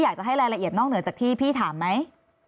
อยากจะให้รายละเอียดนอกเหนือจากที่พี่ถามไหม